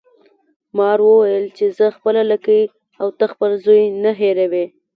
مار وویل چې زه خپله لکۍ او ته خپل زوی نه هیروي.